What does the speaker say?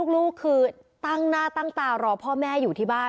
ลูกคือตั้งหน้าตั้งตารอพ่อแม่อยู่ที่บ้าน